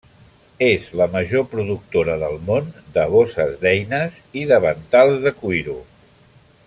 És la major productora del món de bosses d'eines i davantals de cuiro.